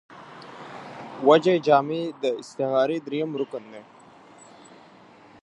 وجه جامع داستعارې درېیم رکن دﺉ.